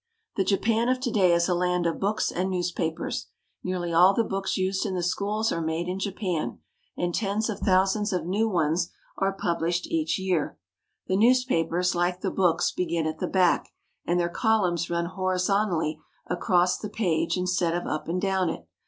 The Japan of to day is a land of books and newspapers. Nearly all the books used in the schools are made in Japan, and tens of thousands of new ones are published each year. The newspapers, Hke the books, begin at the back, and their columns run horizontally across the page instead of up and down it.